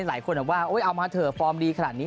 หลายคนว่าเอามาเถอะฟอร์มดีขนาดนี้